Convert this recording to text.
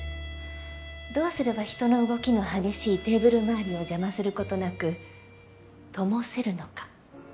どうすれば人の動きの激しいテーブル周りを邪魔することなく灯せるのか。